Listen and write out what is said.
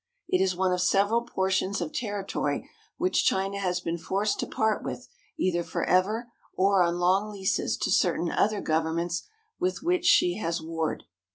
It is one of several portions of territory which China has been forced to part with either forever or on long leases to certain other governments with which she has warred.